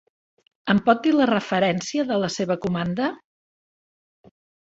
Em pot dir la referència de la seva comanda?